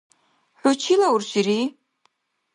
ХӀу чила уршири?